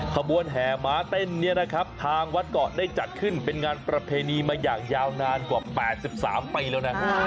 ขบวนแห่ม้าเต้นเนี่ยนะครับทางวัดเกาะได้จัดขึ้นเป็นงานประเพณีมาอย่างยาวนานกว่า๘๓ปีแล้วนะ